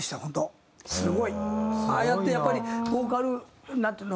すごい！ああやってやっぱりボーカルなんていうの。